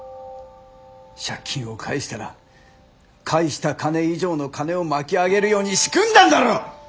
借金を返したら返した金以上の金を巻き上げるように仕組んだんだろ！